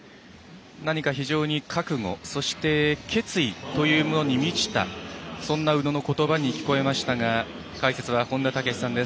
何か非常に覚悟そして、決意というものに満ちたそんな宇野のことばに聞こえましたが解説は本田武史さんです。